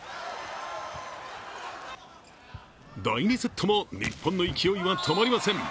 第２セットも、日本の勢いは止まりません。